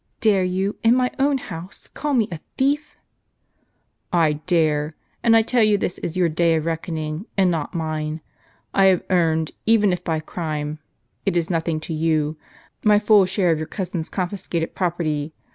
Dare you, in my own house, call me a thief? "" I dare ; and I tell you this is your day of reckoning, and not mine. I have earned, even if by crime, it is nothing to you, my full share of your cousin's confiscated property.